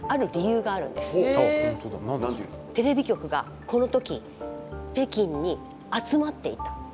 テレビ局がこの時北京に集まっていた。